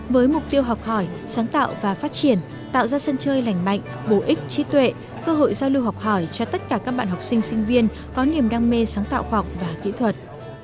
với mục tiêu học hỏi sáng tạo và phát triển tạo ra sân chơi lành mạnh bổ ích trí tuệ cơ hội giao lưu học hỏi cho tất cả các bạn học sinh sinh viên có niềm đam mê sáng tạo học và kỹ thuật